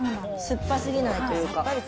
すっぱすぎないというか。